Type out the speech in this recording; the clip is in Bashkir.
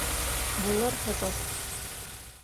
Булырһығыҙ!